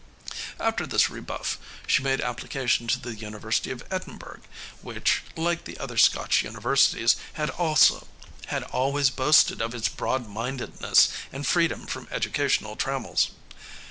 After this rebuff she made application to the University of Edinburgh, which, like the other Scotch universities, had always boasted of its broad mindedness and freedom from educational trammels.